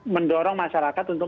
mendorong masyarakat untuk